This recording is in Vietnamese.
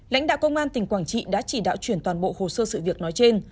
lãnh đạo công an tỉnh quảng trị đã chỉ đạo chuyển toàn bộ hồ sơ sự việc nói trên